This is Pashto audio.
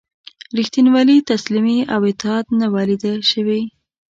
ریښتینولي، تسلیمي او اطاعت نه وه لیده شوي.